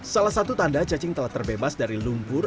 salah satu tanda cacing telah terbebas dari lumpur